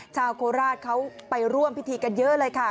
โคราชเขาไปร่วมพิธีกันเยอะเลยค่ะ